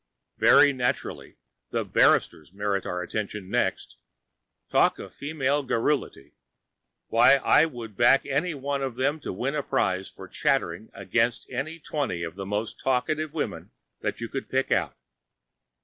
Very naturally, the barristers merit our attention next. Talk of female garrulity! Why, I would back any one of them to win a prize for chattering against any twenty of the most talkative women that you could pick out.